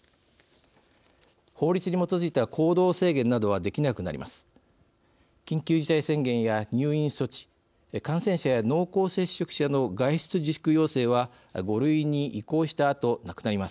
法律に基づいた行動制限などはできなくなります。